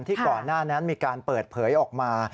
ก่อนหน้านั้นมีการเปิดเผยออกมา